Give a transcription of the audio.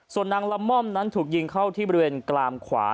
ส่วนนางละม่อมนั้นถูกยิงเข้าที่บริเวณกลามขวา